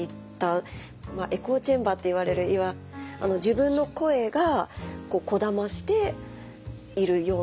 エコーチェンバーっていわれる自分の声がこだましているような。